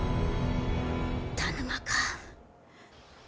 田沼か？